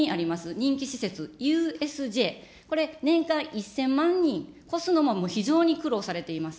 人気施設、ＵＳＪ、これ、年間１０００万人超すのも非常に苦労されています。